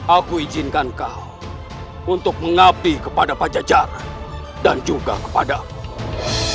aku izinkan kau untuk mengabdi kepada pajajaran dan juga kepadamu